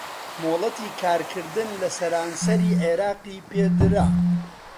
مۆلەتی کارکردن لە سەرانسەری عێراقی پێدرا